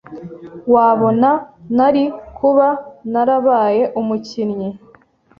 wabona nari kuba narabaye umukinnyi